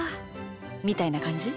みたいなかんじ？